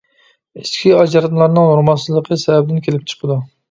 ئىچكى ئاجراتمىلارنىڭ نورمالسىزلىقى سەۋەبىدىن كېلىپ چىقىدۇ.